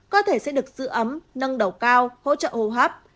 cơ thể sẽ được giữ ấm nâng đầu cao hỗ trợ hô hấp